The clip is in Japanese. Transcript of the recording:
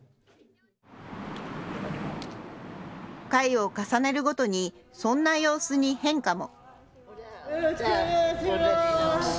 回を重ねるごとにそんな様子に変化も。